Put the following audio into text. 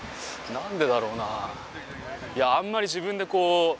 何でだろうな。